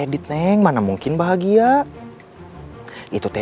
jadi neng mana mungkin bahagia itu teh